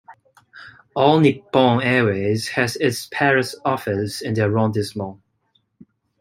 All Nippon Airways has its Paris Office in the arrondissement.